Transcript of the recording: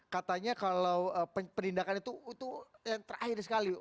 katanya kalau penindakan itu yang terakhir sekali